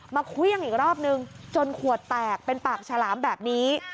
มาเครื่องอีกรอบนึงจนขวดแตกเป็นปากฉลามแบบนี้